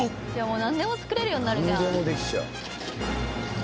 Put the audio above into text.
なんでも作れるようになるじゃん。